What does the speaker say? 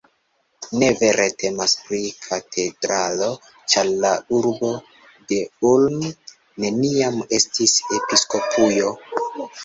Ne vere temas pri katedralo, ĉar la urbo de Ulm, neniam estis episkopujo.